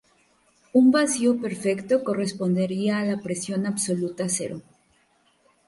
Un vacío perfecto correspondería a la presión absoluta cero.